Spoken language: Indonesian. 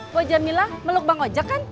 pojamila meluk bang ojek kan